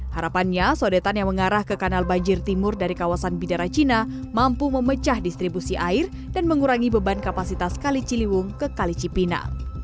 harapannya sodetan yang mengarah ke kanal banjir timur dari kawasan bidara cina mampu memecah distribusi air dan mengurangi beban kapasitas kali ciliwung ke kali cipina